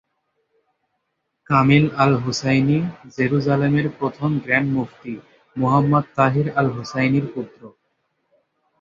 Kamil al Husseini জেরুসালেমের প্রথম grand মুফতি মুহাম্মদ তাহির আল-হুসাইনির পুত্র।